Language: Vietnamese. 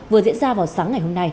vừa diễn ra vào sáng ngày hôm nay